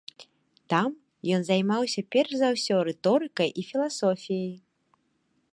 Там ён займаўся перш за ўсё рыторыкай і філасофіяй.